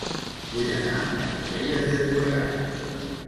Vull anar a Torrelles de Llobregat